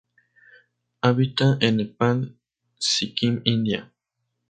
Habita en Nepal, Sikkim, India.